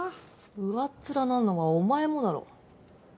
上っ面なのはお前もだろ